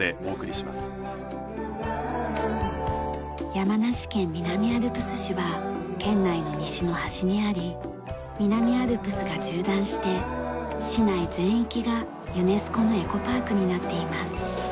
山梨県南アルプス市は県内の西の端にあり南アルプスが縦断して市内全域がユネスコのエコパークになっています。